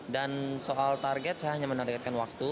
dan soal target saya hanya menarikkan waktu